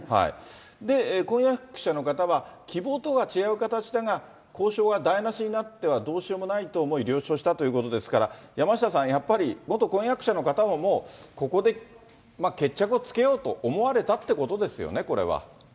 で、婚約者の方は、希望とは違う形だが、交渉が台無しになってはどうしようもないと思い、了承したということですから、山下さん、やっぱり元婚約者の方も、もうここで決着をつけようと思われたってことですよね、これは。